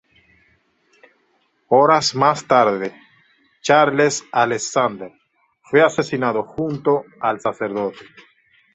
Horas más tarde, Charles Alexander fue asesinado junto al sacerdote.